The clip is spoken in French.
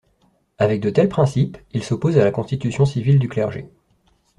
Avec de tels principes, il s'oppose à la constitution civile du clergé.